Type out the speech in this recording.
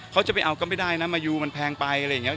เขาจะไปเอาก็ไม่ได้นะมายูมันแพงไป